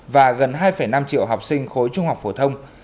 và gần hai năm triệu học sinh khối trung học phổ thông